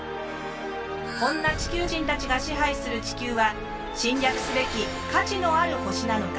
こんな地球人たちが支配する地球は侵略すべき価値のある星なのか？